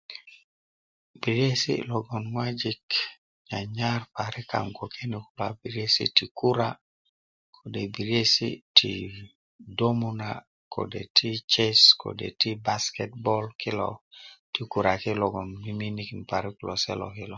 biresi logon ŋwajik nyarnyar parik kaŋ bgwoke lo a biresi ti kura kode' biresi ti domuna kode' ti sesi kod ti basiket bol kulo ti kura kulo long mimiinkin parik kulo selo kilo